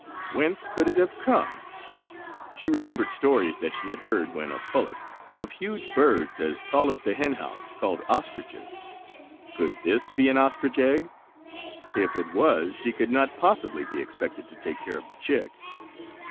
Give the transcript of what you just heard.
Whence could it have come? She remembered stories that she had heard, when a pullet, of huge birds as tall as the hen house, called ostriches. Could this be an ostrich egg? If it was, she could not possibly be expected to take care of the chick.